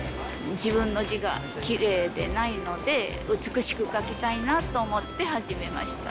自分の字がきれいでないので、美しく書きたいなと思って始めました。